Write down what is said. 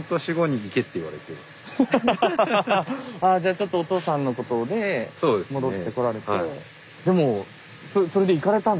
あじゃちょっとお父さんのことで戻ってこられて。